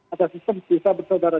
ada sistem bisa bersaudara